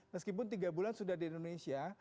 meskipun tiga bulan sudah di indonesia